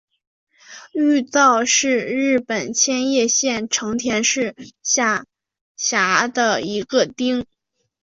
玉造是日本千叶县成田市下辖的一个町。